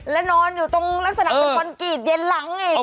แล้วนอนอยู่ตรงลักษณะเป็นคอนกรีตเย็นหลังอีก